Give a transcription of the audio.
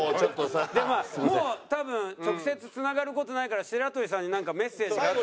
でまあもう多分直接つながる事ないから白鳥さんになんかメッセージがあったら。